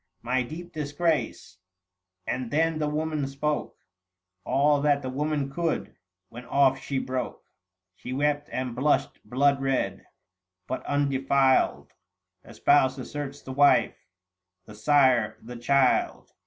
My deep disgrace ;" and then the woman spoke All that the woman could ; when off she broke, 880 She wept and blushed bloodred. But undefiled The spouse asserts the wife ; the sire the child.